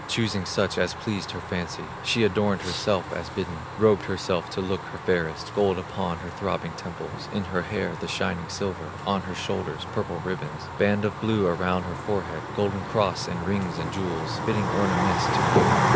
Choosing such as pleased her fancy, She adorned herself as bidden, Robed herself to look her fairest, Gold upon her throbbing temples, In her hair the shining silver, On her shoulders purple ribbons, Band of blue around her forehead, Golden cross, and rings, and jewels, Fitting ornaments to beauty.